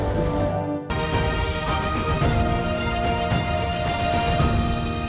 semana santa menjadi inti dari tradisi ini